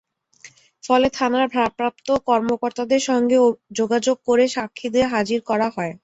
ফলে থানার ভারপ্রাপ্ত কর্মকর্তাদের সঙ্গে যোগাযোগ করে সাক্ষীদের হাজির করা হয়।